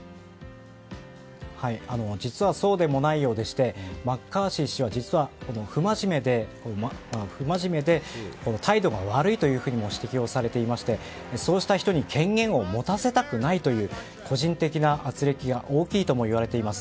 実はそうでもないようでしてマッカーシー氏は実は、不真面目で態度が悪いと指摘をされていましてそうした人に権限を持たせたくないという個人的な軋轢が大きいとも言われています。